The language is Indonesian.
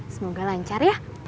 semoga lancar ya